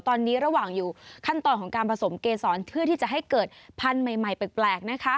ตอนนี้ระหว่างอยู่ขั้นตอนของการผสมเกษรเพื่อที่จะให้เกิดพันธุ์ใหม่แปลกนะคะ